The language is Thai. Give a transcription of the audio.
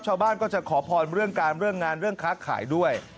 ชาวบ้านก็จะขอพรเรื่องการเรื่องงานเรื่องค้าขายด้วย